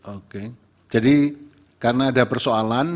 oke jadi karena ada persoalan